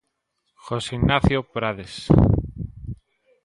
José Ignacio Prades.